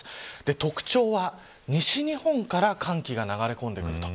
特徴は、西日本から寒気が流れ込んでくると。